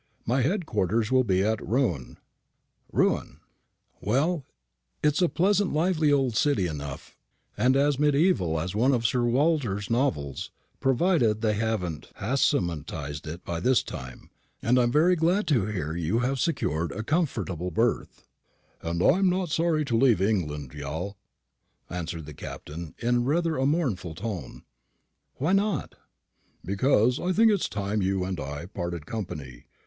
My head quarters will be at Rouen." "Rouen! Well, it's a pleasant lively old city enough, and as mediæval as one of Sir Walter's novels, provided they haven't Haussmanised it by this time. I am very glad to hear you have secured a comfortable berth." "And I am not sorry to leave England, Yal," answered the Captain, in rather a mournful tone. "Why not?" "Because I think it's time you and I parted company.